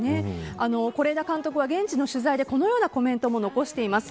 是枝監督は現地の取材でこのようなコメントも残しています。